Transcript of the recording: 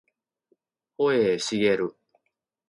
保栄茂